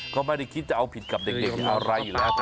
ก็ไม่ได้คิดจะเอาผิดกับเด็กอะไรอยู่แล้ว